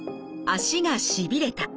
足がしびれた。